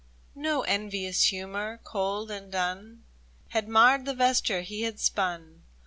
No envious humor, cold and dun. Had marred the vesture he had spun.